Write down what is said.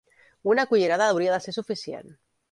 Una cullerada hauria de ser suficient.